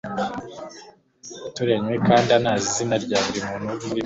Azi urugo dutuyemo kandi anazi izina rya buri muntu umurimo.